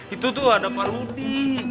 itu tuh ada paruti